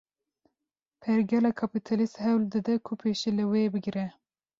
Pergala Kapîtalîst, hewl dide ku pêşî li vê bigre